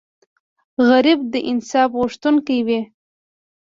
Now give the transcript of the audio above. غریب د انصاف غوښتونکی وي